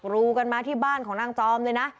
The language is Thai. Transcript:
รู้กันมาที่บ้านของนางจอมเลยนะ